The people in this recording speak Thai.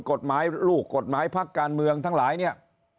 กฎหมายลูกกฎหมายภาคการเมืองทั้งหลาย